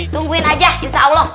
tungguin aja insya allah